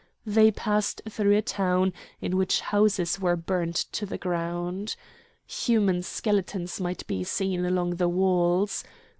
They passed through a town in which houses were burnt to the ground. Human skeletons might be seen along the walls.